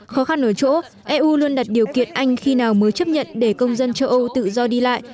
khó khăn ở chỗ eu luôn đặt điều kiện anh khi nào mới chấp nhận để công dân châu âu tự do đi lại